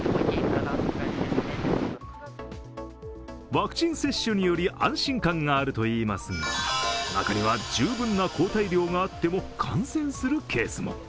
ワクチン接種により安心感があるといいますが中には十分な抗体量があっても感染するケースも。